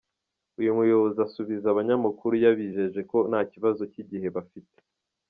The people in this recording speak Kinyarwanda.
Uyu muyobozi asubiza abanyamakuru yabijeje ko ntakibazo cy’igihe bafite.